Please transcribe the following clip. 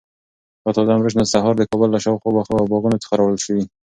دا تازه مرچ نن سهار د کابل له شاوخوا باغونو څخه راوړل شوي.